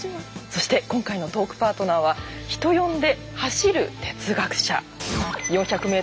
そして今回のトークパートナーは人呼んで「走る哲学者」